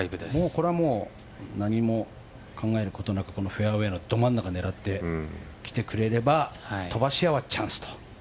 これは何も考えることなくフェアウェイのど真ん中を狙ってきてくれれば飛ばし屋はチャンスと。